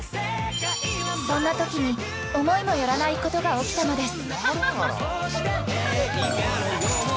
そんなときに、思いも寄らない転機が訪れたのです。